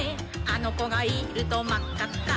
「あのこがいるとまっかっか」